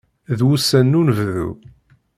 D wussan n unebdu.